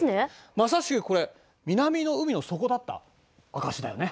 まさしくこれ南の海の底だった証しだよね。